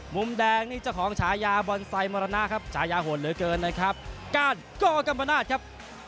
มุมแดงนี่เจ้าของฉายาบอนไซมรณะครับฉายาหดเหลือเกินนะครับก้านกกรรมนาศครับ